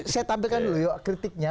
saya tampilkan dulu yuk kritiknya